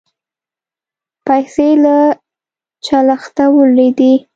پیسې له چلښته ولوېدې